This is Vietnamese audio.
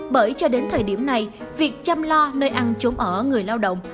bởi cho đến thời điểm này việc chăm lo nơi ăn trốn ở người lao động